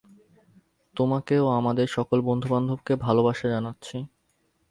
তোমাকে ও আমাদের সকল বন্ধুবান্ধবকে ভালবাসা জানাচ্ছি।